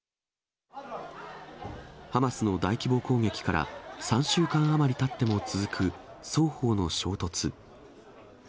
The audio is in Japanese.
ハマスの大規模攻撃から３週間余りたっても続く双方の衝突。